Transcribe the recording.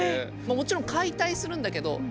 もちろん解体するんだけどなるほど。